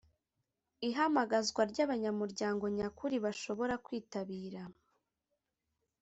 Ihamagazwa ry’ abanyamuryango nyakuri bashobora kwitabira